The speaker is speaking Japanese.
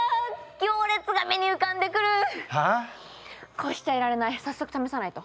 こうしちゃいられない早速試さないと。